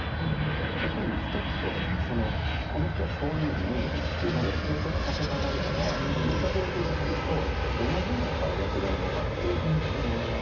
やっぱり人ってこの人はそういうイメージっていうので定着させたがるから一回それで定着すると同じような役柄のオファーが来るんですよね。